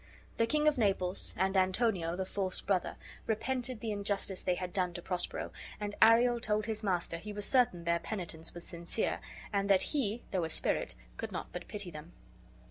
The King of Naples, and Antonio the false brother, repented the injustice they had done to Prospero; and Ariel told his master he was certain their penitence was sincere, and that he, though a spirit, could not but pity them.